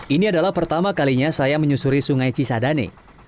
ini adalah pertama kalinya saya menyusuri sungai cisadane